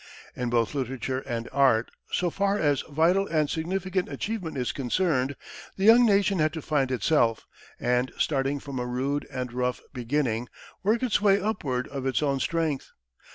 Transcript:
In both literature and art, so far as vital and significant achievement is concerned, the young nation had to find itself, and, starting from a rude and rough beginning, work its way upward of its own strength.